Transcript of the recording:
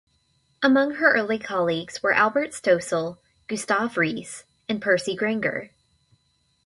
Among her early colleagues were Albert Stoessel, Gustave Reese, and Percy Grainger.